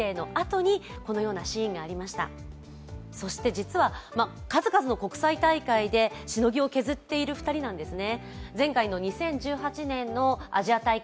実は数々の国際大会でしのぎを削っている２人なんですね。